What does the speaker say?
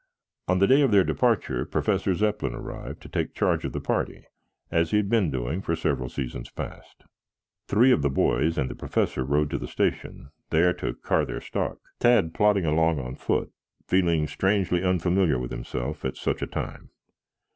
On the day of their departure Professor Zepplin arrived to take charge of the party, as he had been doing for several seasons past. Three of the boys and the Professor rode to the station, there to car their stock, Tad plodding along on foot, feeling strangely unfamiliar with himself at such a time.